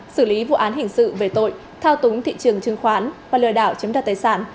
xử lý vụ án hình sự về tội thao túng thị trường chứng khoán và lừa đảo chiếm đặt tài sản